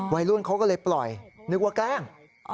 วัยรุ่นเขาก็เลยปล่อยนึกว่าแกล้ง